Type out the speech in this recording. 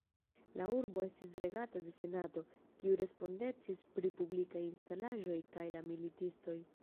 La urbo estis regata de Senato, kiu respondecis pri publikaj instalaĵoj kaj la militistoj.